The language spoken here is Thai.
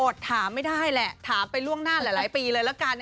ถามไม่ได้แหละถามไปล่วงหน้าหลายปีเลยละกัน